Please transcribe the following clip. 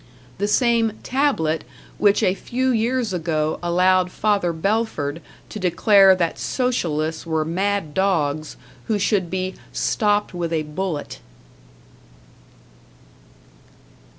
The same "Tablet" which a few years ago allowed Father Belford to declare that Socialists were mad dogs who should be "stopped with a bullet"!